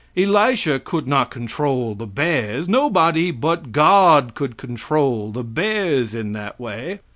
Elisha could not control the bears. Nobody but God could control the bears in that way.